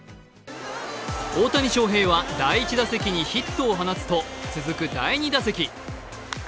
大谷翔平は第１打席にヒットを放つと続く第２打席。